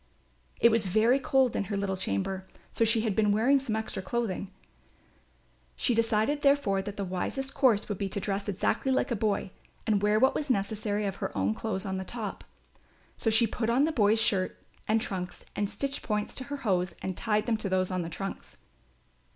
It was very cold in her little chamber, so she had been wearing some extra clothing; she decided therefore that the wisest course would be to dress exactly like a boy and wear what was necessary of her own clothes on the top. So she put on a boy's shirt and trunks and stitched points to her hose and tied them to those on the trunks.